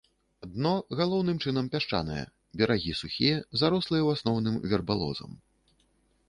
Дно галоўным чынам пясчанае, берагі сухія, зарослыя ў асноўным вербалозам.